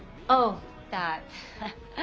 ああ。